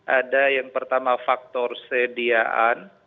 ada yang pertama faktor sediaan